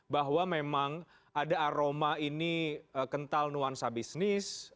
bahwa memang ada aroma ini kental nuansa bisnis